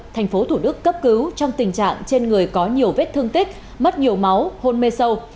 tp hcm cấp cứu trong tình trạng trên người có nhiều vết thương tích mất nhiều máu hôn mê sâu